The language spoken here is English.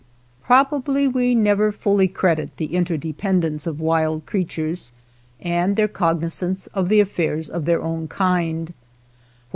Probably we never fully credit the inter dependence of wild creatures, and their cognizance of the affairs of their own kind.